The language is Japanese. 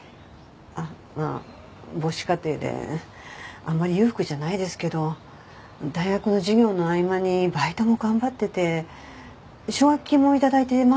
まあ母子家庭であまり裕福じゃないですけど大学の授業の合間にバイトも頑張ってて奨学金も頂いてますから。